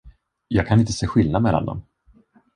Jag kan inte se skillnad mellan dem.